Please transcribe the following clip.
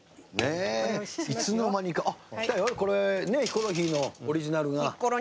これヒコロヒーのオリジナル。